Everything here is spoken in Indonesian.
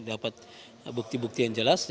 dapat bukti bukti yang jelas